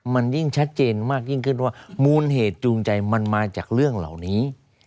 มันยิ่งชัดเจนมากยิ่งขึ้นว่ามูลเหตุจูงใจมันมาจากเรื่องเหล่านี้